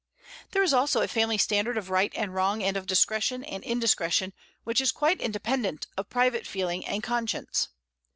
There is also a family standard of right and wrong and of discretion and indiscretion which is quite independent of private feeling and conscience.